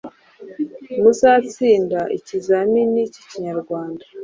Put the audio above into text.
Muzatsinda ikizamini k’Ikinyarwanda.